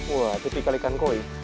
wah tipikal ikan koi